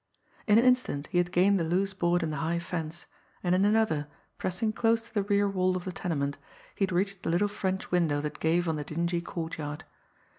In an instant, he had gained the loose board in the high fence; and in another, pressing close to the rear wall of the tenement, he had reached the little French window that gave on the dingy courtyard.